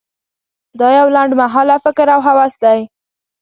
دا یو لنډ مهاله فکر او هوس دی.